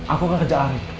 aku akan kejar arief